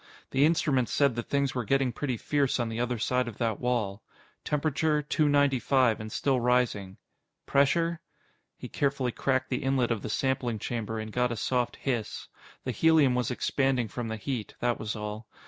The instruments said that things were getting pretty fierce on the other side of that wall. Temperature: Two ninety five and still rising. Pressure? He carefully cracked the inlet of the sampling chamber and got a soft hiss. The helium was expanding from the heat, that was all.